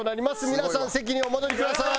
皆さん席にお戻りください。